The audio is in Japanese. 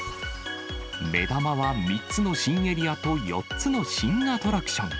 目玉は３つの新エリアと４つの新アトラクション。